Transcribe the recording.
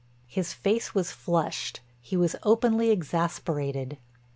His face was flushed, he was openly exasperated.